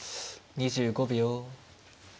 ２５秒。